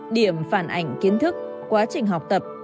điểm phản ảnh kiến thức quá trình học tập